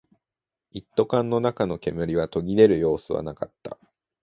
一斗缶の中の煙は途切れる様子はなかった